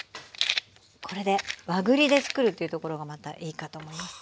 これで和栗でつくるっていうところがまたいいかと思います。